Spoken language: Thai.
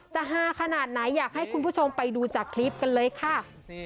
ฮาขนาดไหนอยากให้คุณผู้ชมไปดูจากคลิปกันเลยค่ะ